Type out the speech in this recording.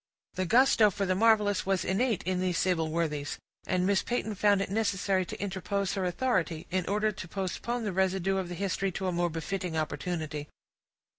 The gusto for the marvelous was innate in these sable worthies; and Miss Peyton found it necessary to interpose her authority, in order to postpone the residue of the history to a more befitting opportunity.